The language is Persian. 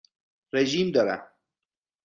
رژیم دارم.